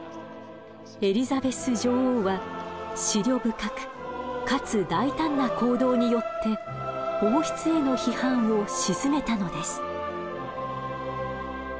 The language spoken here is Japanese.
エリザベス女王は思慮深くかつ大胆な行動によって王室への批判を鎮めたのです。